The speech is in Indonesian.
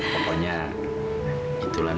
pokoknya gitu nan